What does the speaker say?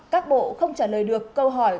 các bộ không trả lời được câu hỏi